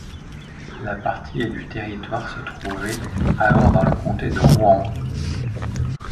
La partie est du territoire se trouvait alors dans le comté de Rouen.